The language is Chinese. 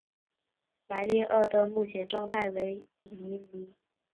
莱利鳄的目前状态为疑名。